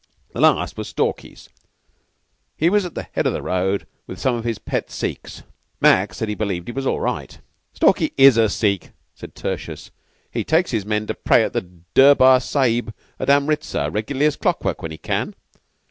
The last was Stalky's. He was at the head of the road with some of his pet Sikhs. Mac said he believed he was all right." "Stalky is a Sikh," said Tertius. "He takes his men to pray at the Durbar Sahib at Amritzar, regularly as clockwork, when he can."